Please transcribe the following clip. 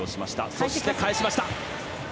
そして、返しました。